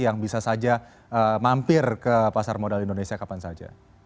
yang bisa saja mampir ke pasar modal indonesia kapan saja